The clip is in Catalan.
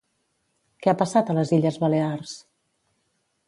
Què ha passat a les Illes Balears?